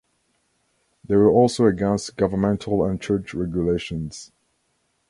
They were also against governmental and church regulations.